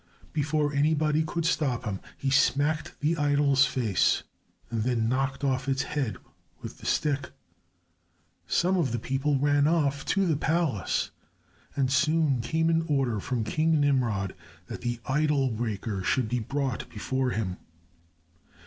Before anybody could stop him, he smacked the idol's face and then knocked off its head with the stick. Some of the people ran off to the palace, and soon came an order from King Nimrod that the idol breaker should be brought before him.